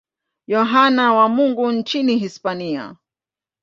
Yohane wa Mungu nchini Hispania.